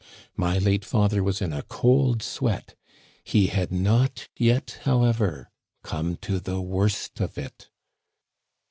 "My late father was in a cold sweat; he had not yet, however, come to the worst of it."